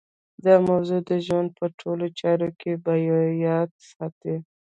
دا موضوع د ژوند په ټولو چارو کې په یاد ساتئ